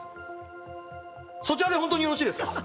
そちらで本当によろしいですか！